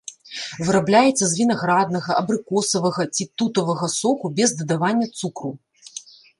Вырабляецца з вінаграднага, абрыкосавага ці тутавага соку без дадавання цукру.